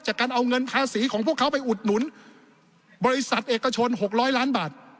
การเอาเงินภาษีของพวกเขาไปอุดหนุนบริษัทเอกชน๖๐๐ล้านบาท